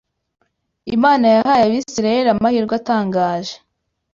Imana yahaye Abisirayeli amahirwe atangaje